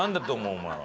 お前は。